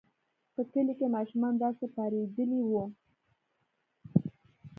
په کلي کې ماشومان داسې پارېدلي وو.